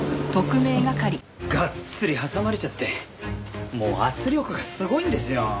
がっつり挟まれちゃってもう圧力がすごいんですよ。